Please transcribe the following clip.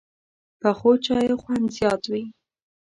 پخو چایو خوند زیات وي